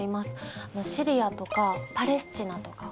シリアとかパレスチナとか。